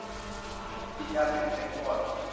ติดยาเสพติดให้โทษ